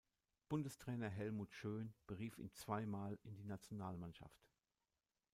Bundestrainer Helmut Schön berief ihn zweimal in die Nationalmannschaft.